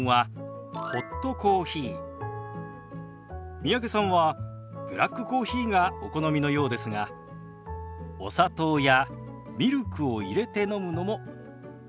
三宅さんはブラックコーヒーがお好みのようですがお砂糖やミルクを入れて飲むのもおすすめです。